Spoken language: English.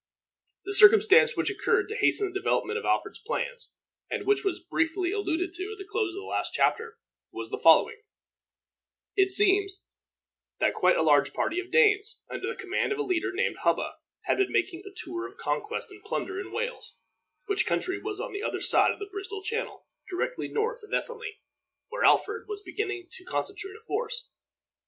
The circumstance which occurred to hasten the development of Alfred's plans, and which was briefly alluded to at the close of the last chapter, was the following: It seems that quite a large party of Danes, under the command of a leader named Hubba, had been making a tour of conquest and plunder in Wales, which country was on the other side of the Bristol Channel, directly north of Ethelney, where Alfred was beginning to concentrate a force.